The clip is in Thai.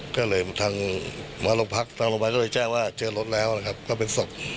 ก็เลยทางมาลงพักทางลงไปก็เลยแจ้งว่าเจอรถแล้วนะครับก็เป็นศพ